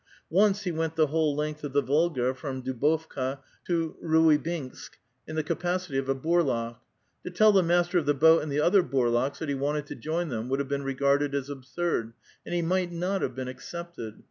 Once he went the whole length of the Volga, from Dubovka to Ruibinsk, in the capacity of a hurlak. To tell the master of the boat and the other hurlalcs that he wanted to join them would have been regarded as absurd, and he might not have been ac cepted.